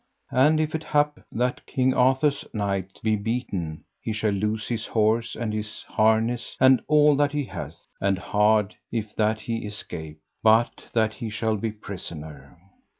And if it hap that King Arthur's knight be beaten, he shall lose his horse and his harness and all that he hath, and hard, if that he escape, but that he shall be prisoner.